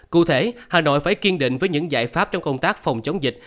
cụ thể hà nội phải kiên định với những giải pháp trong công tác phòng chống dịch